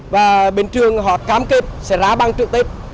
và bên trường họ cam kết sẽ ra băng trực tiếp